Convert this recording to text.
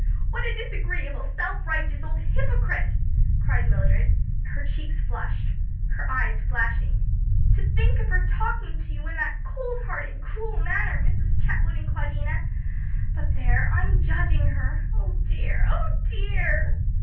"What a disagreeable, self righteous old hypocrite!" cried Mildred, her cheeks flushed, her eyes flashing. "To think of her talking to you in that cold hearted, cruel manner, Mrs. Chetwood and Claudina. But there! I am judging her. Oh dear! oh dear!"